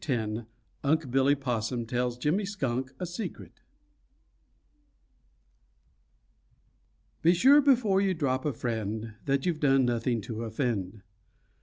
X UNC' BILLY POSSUM TELLS JIMMY SKUNK A SECRET Be sure before you drop a friend That you've done nothing to offend.